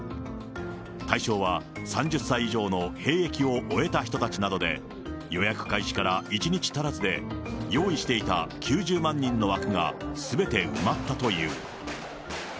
対象は３０歳以上の兵役を終えた人たちなどで、予約開始から１日足らずで、用意していた９０万人の枠がすべて埋まったという。